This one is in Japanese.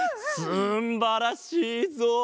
すんばらしいぞ！